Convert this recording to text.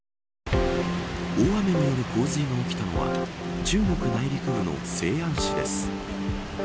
大雨による洪水が起きたのは中国内陸部の西安市です。